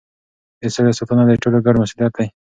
د سولې ساتنه د ټولو ګډ مسؤلیت دی.